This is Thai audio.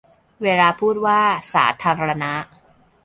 เวลาพูดว่า 'สาธารณะ'